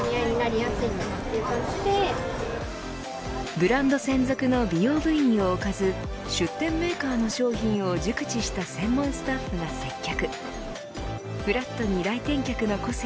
ブランド専属の美容部員を置かず出展メーカーの商品を熟知した専門スタッフが接客。